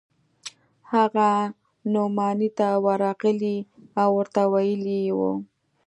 هغه نعماني ته ورغلى و ورته ويلي يې و.